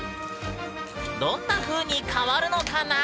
どんなふうに変わるのかなあ？